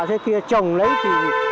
thế kia trồng lấy thì